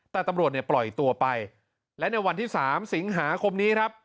แต่ตำรวจเนี่ยปล่อยตัวไปและในวันที่๓สิงหาคมนี้ครับ